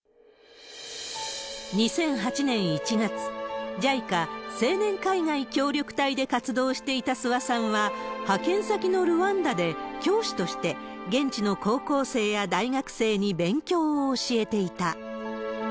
２００８年１月、ＪＩＣＡ青年海外協力隊で活動していた諏訪さんは、派遣先のルワンダで教師として、現地の高校生や大学生に勉強を教えていた。